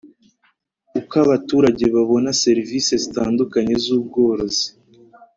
Uko abaturage babona serivisi zitandukanye z ubworozi